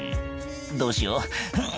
「どうしようふん！